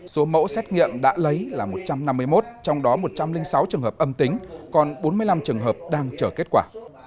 số mẫu xét nghiệm đã lấy là một trăm năm mươi một trong đó một trăm linh sáu trường hợp âm tính còn bốn mươi năm trường hợp đang chờ kết quả